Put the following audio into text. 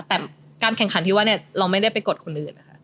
แต่การแข่งคันที่ว่าเราไม่ได้ไปกดคนอื่น